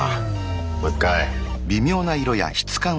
もう一回。